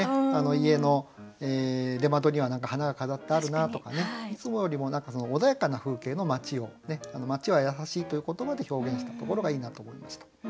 家の出窓には花が飾ってあるなとかねいつもよりも穏やかな風景の町を「町はやさしい」という言葉で表現したところがいいなと思いました。